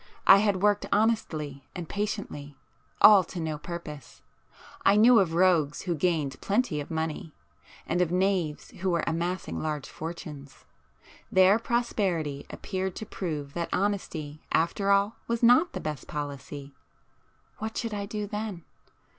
I had worked honestly and patiently;—all to no purpose. I knew of rogues who gained plenty of money; and of knaves who were amassing large fortunes. Their prosperity appeared to prove that honesty after all was not the best policy. What should I do then?